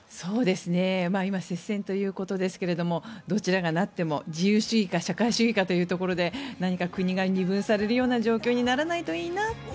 今、接戦ということですがどちらがなっても自由主義か社会主義かというところで何か国が二分されるような状況にならないといいなと